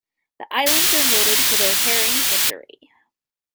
The islands are noted for their herring fishery.